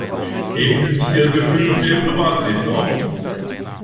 Heben Sie sich Ihre Gefühle für Ihr Privatleben auf!